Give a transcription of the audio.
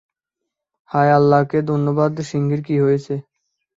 হ্যা আল্লাহকে ধন্যবাদ সিংহের কি হয়েছে?